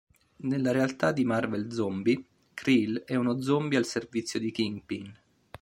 Nella realtà di "Marvel Zombi", Creel è uno zombie al servizio di Kingpin.